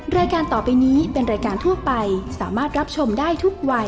รายการต่อไปนี้เป็นรายการทั่วไปสามารถรับชมได้ทุกวัย